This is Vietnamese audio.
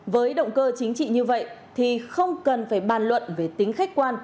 với động cơ chính trị như vậy thì không cần phải bàn luận về tính khách quan